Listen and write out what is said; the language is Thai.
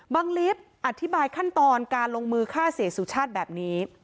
ลิฟต์อธิบายขั้นตอนการลงมือฆ่าเสียสุชาติแบบนี้